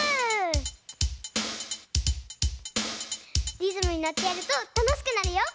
リズムにのってやるとたのしくなるよ！